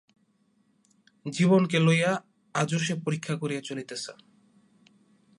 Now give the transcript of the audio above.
জীবনকে লইয়া আজও সে পরীক্ষা করিয়া চলিতেছে?